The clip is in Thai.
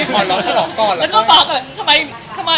ต้องรอชอบล่ะ